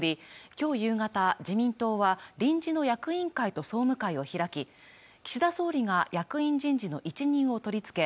きょう夕方自民党は臨時の役員会と総務会を開き岸田総理が役員人事の一任を取り付け